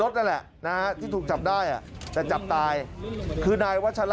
ตอนนี้ก็ยิ่งแล้ว